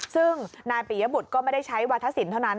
ซึ่งนายปิยบุตรก็ไม่ได้ใช้วาธศิลปเท่านั้น